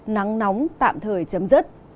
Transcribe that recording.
nắng nóng tạm thời chấm dứt